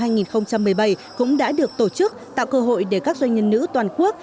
năm hai nghìn một mươi bảy cũng đã được tổ chức tạo cơ hội để các doanh nhân nữ toàn quốc